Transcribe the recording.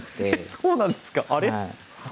そうなんですかあれっ。